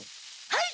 はい！